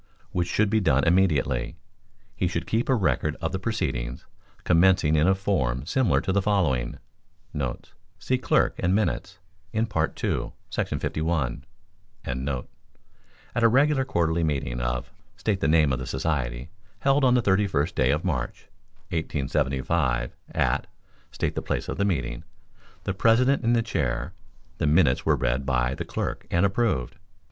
which should be done immediately. He should keep a record of the proceedings, commencing in a form similar to the following : [See Clerk and Minutes in Part II, § 51.] "At a regular quarterly meeting of [state the name of the society] held on the 31st day of March, 1875, at [state the place of meeting], the President in the chair, the minutes were read by the clerk and approved."